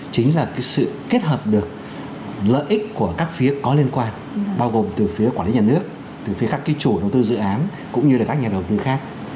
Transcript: chính là sự kết hợp được lợi ích của các phía có liên quan bao gồm từ phía quản lý nhà nước từ phía các cái chủ đầu tư dự án cũng như là các nhà đầu tư khác